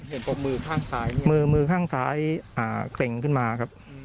ปกมือข้างซ้ายมือมือข้างซ้ายเกร็งขึ้นมาครับ